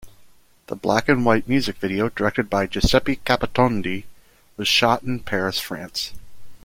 The black-and-white music video, directed by Giuseppe Capotondi, was shot in Paris, France.